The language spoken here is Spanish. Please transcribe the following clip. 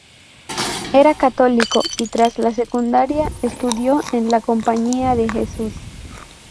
Era católico y tras la secundaria, estudió en la compañía de Jesús.